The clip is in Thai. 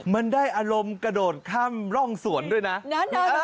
มันได้อารมณ์กระโดดข้ามร่องสวนด้วยนะ